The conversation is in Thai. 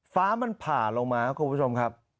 ฟ้ามันผ่าลงมาครับคุณผู้ชมครับ